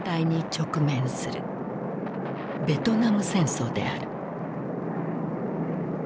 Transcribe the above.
ベトナム戦争である。